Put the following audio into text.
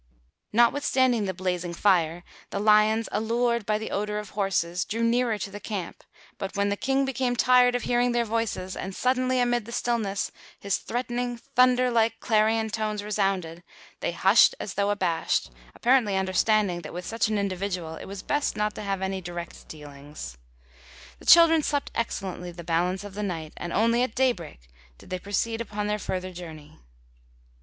Notwithstanding the blazing fire the lions, allured by the odor of horses, drew nearer to the camp; but, when the King became tired of hearing their voices and suddenly, amid the stillness, his threatening, thunder like clarion tones resounded, they hushed as though abashed, apparently understanding that with such an individual it was best not to have any direct dealings. The children slept excellently the balance of the night, and only at daybreak did they proceed upon their further journey.